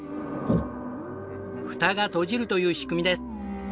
フタが閉じるという仕組みです。